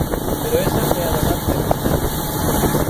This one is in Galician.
Pero esa é a Navantia militar.